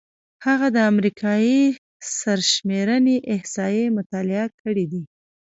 هغه د امریکايي سرشمېرنې احصایې مطالعه کړې دي.